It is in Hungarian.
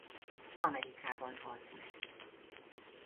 Amerikában halt meg.